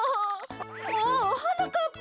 おおはなかっぱ。